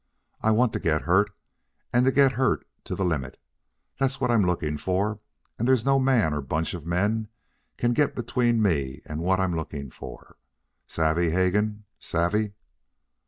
I want to get hurt, and get hurt to the limit. That's what I'm looking for, and there's no man or bunch of men can get between me and what I'm looking for. Savvee, Hegan? Savvee?"